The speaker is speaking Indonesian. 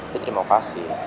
dia tidak mau kasih